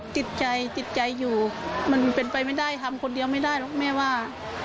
จิตใจจิตใจอยู่มันเป็นไปไม่ได้ทำคนเดียวไม่ได้หรอกแม่ว่า